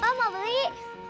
pak mau beli